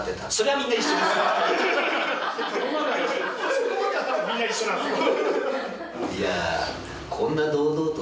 そこまではたぶんみんな一緒なんすよ。